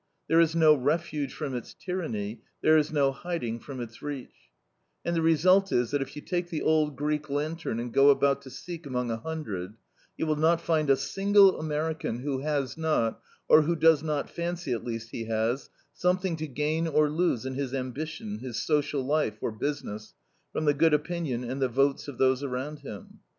There is no refuge from its tyranny, there is no hiding from its reach, and the result is that if you take the old Greek lantern and go about to seek among a hundred, you will not find a single American who has not, or who does not fancy at least he has, something to gain or lose in his ambition, his social life, or business, from the good opinion and the votes of those around him.